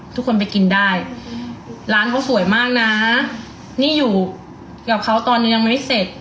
ทุกคนไปกินได้ร้านเขาสวยมากนะนี่อยู่กับเขาตอนนี้ยังไม่เสร็จ